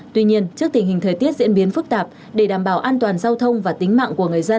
tuy nhiên trước tình hình thời tiết diễn biến phức tạp để đảm bảo an toàn giao thông và tính mạng của người dân